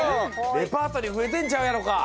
レパートリーふえてんちゃうやろか。